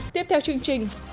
tiếp theo chương trình